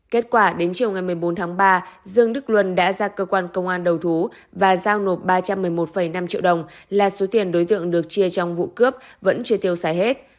kết quả đến chiều ngày một mươi bốn tháng ba dương đức luân đã ra cơ quan công an đầu thú và giao nộp ba trăm một mươi một năm triệu đồng là số tiền đối tượng được chia trong vụ cướp vẫn chưa tiêu xài hết